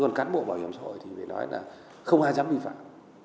còn cán bộ bảo hiểm xã hội thì phải nói là không ai dám vi phạm